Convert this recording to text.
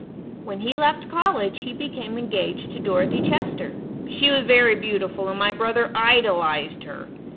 "When he left college he became engaged to Dorothy Chester. She was very beautiful, and my brother idolized her.